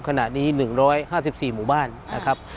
ขณะนี้๑๕๔หมู่บ้านนะครับ